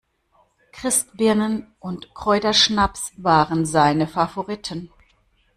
Christbirnen und Kräuterschnaps waren seine Favoriten.